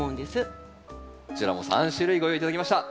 こちらも３種類ご用意頂きました。